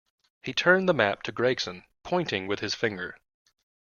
He turned the map to Gregson, pointing with his finger.